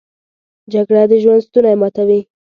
جګړه د ژوند ستونی ماتوي